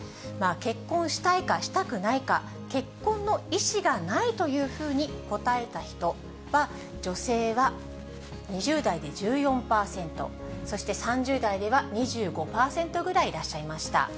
結婚したいかしたくないか、結婚の意思がないというふうに答えた人は、女性は２０代で１４％、そして３０代では２５％ぐらいいらっしゃいました。